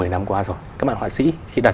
một mươi năm qua rồi các mặt họa sĩ khi đặt